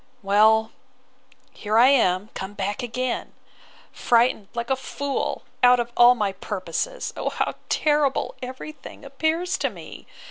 Well, here I am, come back again! frightened, like a fool, out of all my purposes! O how terrible every thing appears to me!